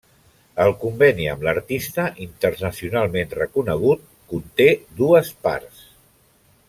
El conveni amb l'artista internacionalment reconegut, conté dues parts.